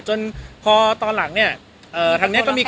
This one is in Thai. จนตอนหลังเนี่ย